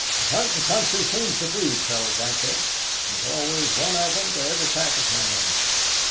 "A huntin' country seems to breed fellows like that; there's always one of 'em to every pack of hounds.